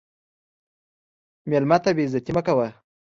مېلمه ته بې عزتي مه کوه.